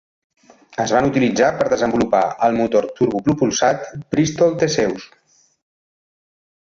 Es van utilitzar per desenvolupar el motor turbopropulsat Bristol Theseus.